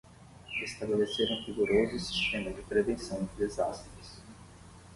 Estabelecer um rigoroso sistema de prevenção de desastres